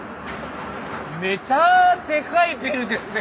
めちゃデカいビルですね。